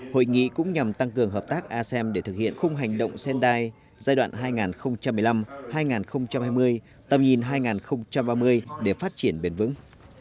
hội nghị cũng nhằm tăng cường hợp tác a sem để thực hiện khung hành động sendai giai đoạn hai nghìn một mươi năm hai nghìn hai mươi tầm nhìn hai nghìn ba mươi để phát triển bền vững